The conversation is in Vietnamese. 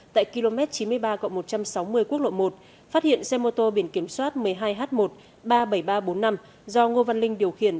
tại km chín mươi ba một trăm sáu mươi quốc lộ một phát hiện xe mô tô biển kiểm soát một mươi hai h một ba mươi bảy nghìn ba trăm bốn mươi năm do ngô văn linh điều khiển